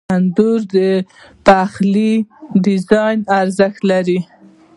تنور د پخلي دودیز ارزښت لري